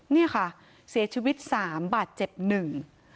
เนี่ยค่ะเสียชีวิตสามบาดเจ็บหนึ่ง